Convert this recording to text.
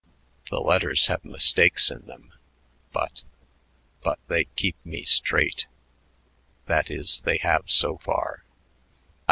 The letters have mistakes in them, but but they keep me straight. That is, they have so far.